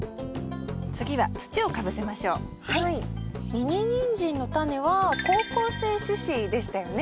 ミニニンジンのタネは好光性種子でしたよね？